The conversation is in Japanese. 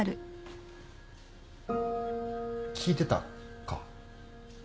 聞いてたか。